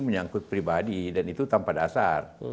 menyangkut pribadi dan itu tanpa dasar